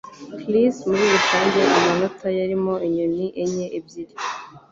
Chris muri rusange amanota yarimo inyoni enye ebyiri.